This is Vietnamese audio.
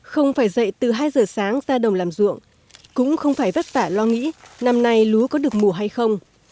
không phải dậy từ hai giờ sáng ra đồng làm ruộng cũng không phải vất vả lo nghĩ năm nay lúa có được mùa hay không